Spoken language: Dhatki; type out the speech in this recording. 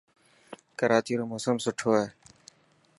ڪراچي رو موسم سٺو هي.